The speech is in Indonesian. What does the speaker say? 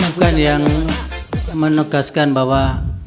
bukan yang menegaskan bahwa